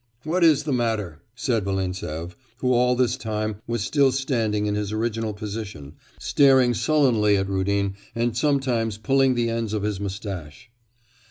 'What is the matter?' said Volintsev, who all this time was still standing in his original position, staring sullenly at Rudin, and sometimes pulling the ends of his moustache.